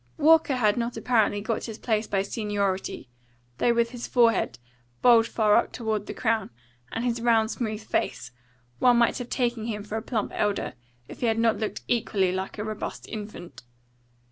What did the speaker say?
Walker had not apparently got his place by seniority; though with his forehead, bald far up toward the crown, and his round smooth face, one might have taken him for a plump elder, if he had not looked equally like a robust infant.